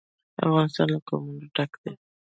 افغانستان له قومونه ډک دی.